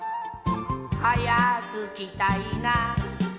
「はやく着たいな」